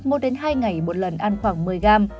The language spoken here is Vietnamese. hoặc một hai ngày một lần ăn khoảng một mươi gram